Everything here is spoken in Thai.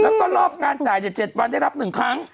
แล้วก็รอบการจ่าย๗วันได้รับ๑ครั้ง